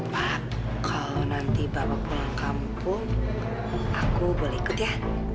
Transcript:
pak kalau nanti bapak pulang kampung aku boleh ikut ya